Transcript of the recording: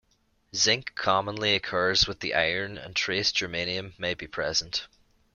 Zinc commonly occurs with the iron and trace germanium may be present.